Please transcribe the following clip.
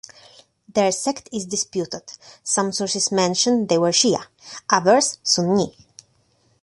Their sect is disputed; some sources mention they were Shia, others Sunni.